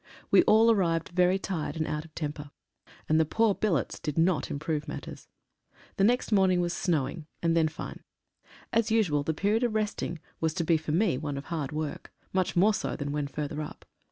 We all arrived very tired and out of temper, and the poor billets did not improve matters. The next morning was snowing, and then fine. As usual the period of resting was to be for me one of hard work, much more so than when further up.